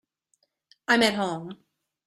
I'm at home.